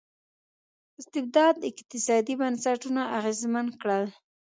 استبداد اقتصادي بنسټونه اغېزمن کړل.